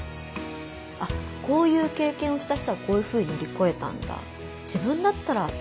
あっこういう経験をした人はこういうふうに乗り越えたんだ。